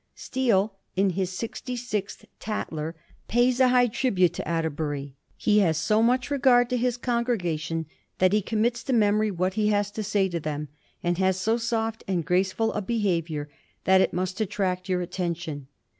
Steele, in his sixty sixth ToAer pays a high tribute to Atterbury :* He has so much regard to his congrega tion, that he commits to memory what he has to say to them, and has so soft and graceful a behaviour, that it must attract your attention.